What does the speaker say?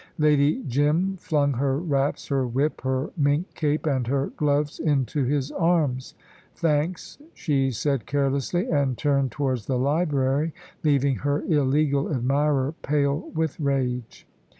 Lady Jim flung her wraps, her whip, her mink cape, and her gloves into his arms. "Thanks," she said carelessly, and turned towards the library, leaving her illegal admirer pale with rage.